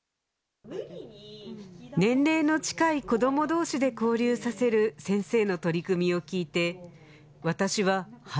年齢の近い子ども同士で交流させる先生の取り組みを聞いて私はハッとしました